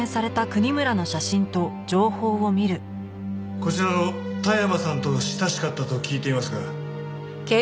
こちらの田山さんと親しかったと聞いていますが。